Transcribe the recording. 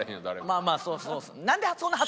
まあまあそうそう。